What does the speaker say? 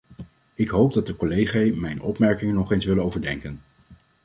Ik hoop dat de collegae mijn opmerkingen nog eens willen overdenken.